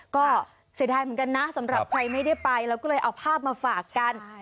ก็เสียดายเหมือนกันนะสำหรับใครไม่ได้ไปเราก็เลยเอาภาพมาฝากกัน